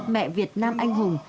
mẹ việt nam anh hùng